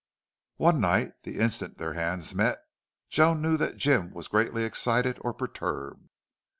One night, the instant their hands met Joan knew that Jim was greatly excited or perturbed.